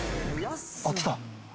あっ、来た！